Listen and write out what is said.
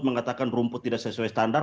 mengatakan rumput tidak sesuai standar